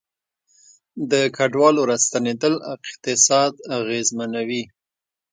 د کډوالو راستنیدل اقتصاد اغیزمنوي